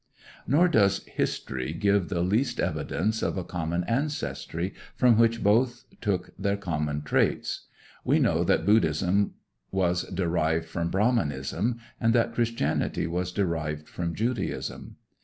Nor does history give the least evidence of a common ancestry from which both took their common traits. We know that Buddhism was derived from Brahmanism, and that Christianity was derived from Judaism.